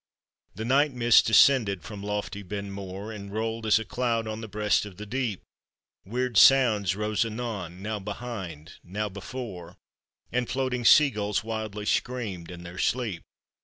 The night mists descended from lofty Ben More, And rolled as a cloud on the breast of the deep. "Weird sounds rose anon — now behind, now before, And floating sea gulls wildly screamed in their sleep.